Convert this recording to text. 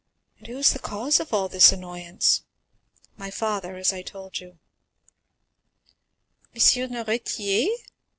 And who is the cause of all this annoyance?" "My father, as I told you." "M. Noirtier?